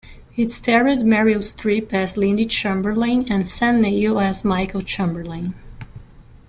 It starred Meryl Streep as Lindy Chamberlain and Sam Neill as Michael Chamberlain.